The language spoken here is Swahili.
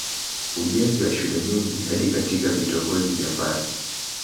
Ujenzi wa shule nyingi hadi katika vitongoji vya mbali